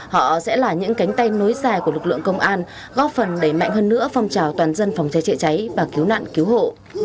họ sẽ là những cánh tay nối dài của lực lượng công an góp phần đẩy mạnh hơn nữa phong trào toàn dân phòng cháy chữa cháy và cứu nạn cứu hộ